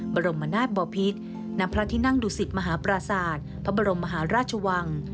บรมนาศบอพิษณพระที่นั่งดุสิตมหาปราศาสตร์พระบรมมหาราชวัง